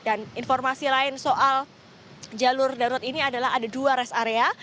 dan informasi lain soal jalur darurat ini adalah ada dua rest area